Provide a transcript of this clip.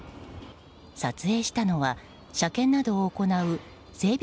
撮影したのは、車検などを行う整備